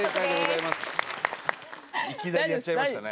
いきなりやっちゃいましたね